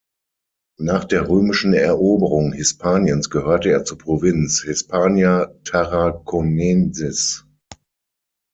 Nach der römischen Eroberung Hispaniens gehörte er zur Provinz "Hispania Tarraconensis".